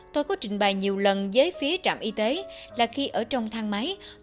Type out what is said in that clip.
tôi có trình bày nhiều lần với phía trạm y tế là khi ở trong thang máy